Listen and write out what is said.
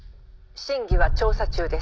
「真偽は調査中です」